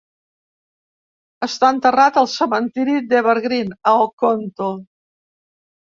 Està enterrat al cementiri d'Evergreen, a Oconto.